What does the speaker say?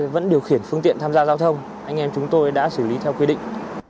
vẫn điều khiển phương tiện tham gia giao thông anh em chúng tôi đã xử lý theo quy định